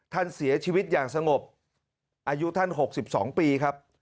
ท่านเสียชีวิตอย่างสงบอายุท่าน๖๒ปีครับ